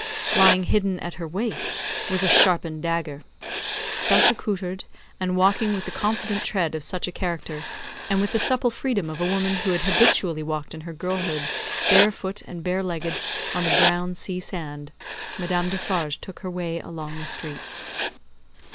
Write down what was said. Lying hidden at her waist, was a sharpened dagger. Thus accoutred, and walking with the confident tread of such a character, and with the supple freedom of a woman who had habitually walked in her girlhood, bare foot and bare legged, on the brown sea sand, Madame Defarge took her way along the streets.